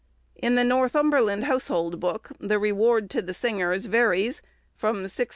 In the 'Northumberland Household Book,' the reward to the singers varies from 6_s.